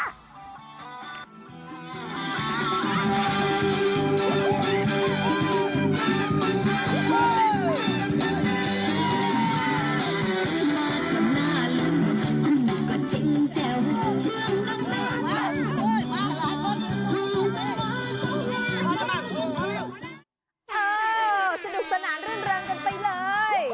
เออสะดุกสนานเรื่องเริ่มกันไปเลย